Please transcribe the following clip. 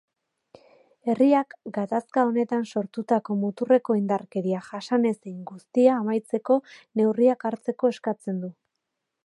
Herriak gatazka honetan sortutako muturreko indarkeria jasanezin guztia amaitzeko neurriak hartzeko eskatzen du.